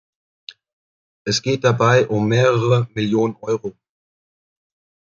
Es geht dabei um mehrere Millionen Euro.